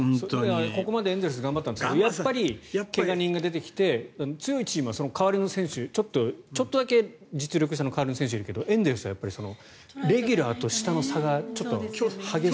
ここまでエンゼルス頑張ったんですけど強いチームはその代わりの選手ちょっとだけ実力の変わる選手がいるけどエンゼルスはレギュラーと下の差が激しい。